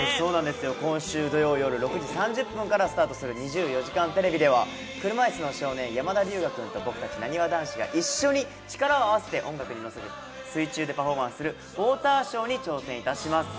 今週土曜、夜６時３０分からスタートする『２４時間テレビ』では、車いすの少年・山田龍芽くんと僕たちなにわ男子が一緒に力を合わせて音楽に乗せ、水中でパフォーマンスするウォーターショーに挑戦します。